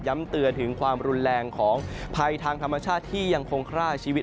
เตือนถึงความรุนแรงของภัยทางธรรมชาติที่ยังคงฆ่าชีวิต